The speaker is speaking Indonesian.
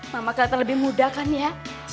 mama kelihatan lebih mudah kan ya